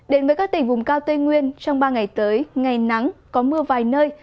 đến với các tỉnh vùng cao tây nguyên trong ba ngày tới ngày nắng có mưa vài nơi